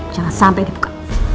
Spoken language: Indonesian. jangan sampai dibuka